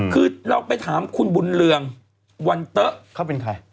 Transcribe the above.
คือเราก็ไปถามคุณบุหนเรืองวันเตอะหา